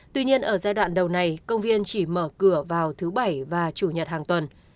tuy nhiên ở giai đoạn đầu này công viên chỉ mở cửa vào thứ bảy và chủ nhật hàng tuần